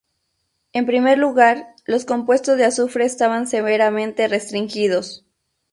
En primer lugar, los compuestos de azufre estaban severamente restringidos.